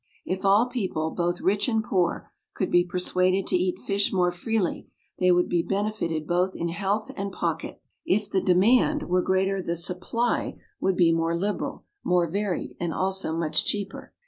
If all people, both rich and poor, could be persuaded to eat fish more freely, they would be benefited both in health and pocket. If the demand were greater the supply would be more liberal, more varied, and also much cheaper.